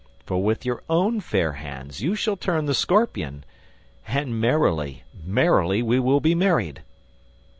For, with your own fair hands, you shall turn the scorpion ... And merrily, merrily, we will be married!"